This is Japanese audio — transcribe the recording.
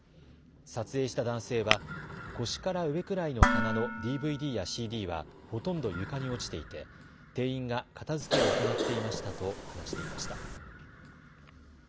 撮影した男性は腰から上くらいの棚のＤＶＤやＣＤはほとんど床に落ちていて店員が片づけを行っていましたと話していました。